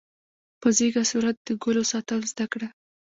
په ځیږه صورت د ګلو ساتل زده کړه.